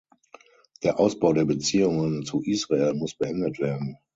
Der Ausbau der Beziehungen zu Israel muss beendet werden.